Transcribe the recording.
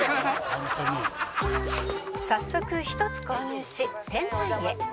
早速１つ購入し店内へ